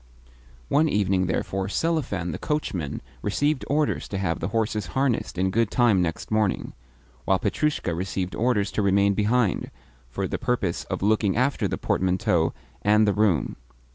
One evening, therefore, Selifan the coachman received orders to have the horses harnessed in good time next morning; while Petrushka received orders to remain behind, for the purpose of looking after the portmanteau and the room.